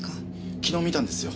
昨日見たんですよ。